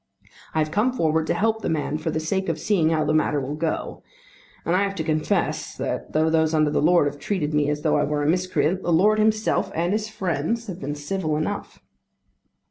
I have come forward to help the man for the sake of seeing how the matter will go; and I have to confess that though those under the lord have treated me as though I were a miscreant, the lord himself and his friends have been civil enough.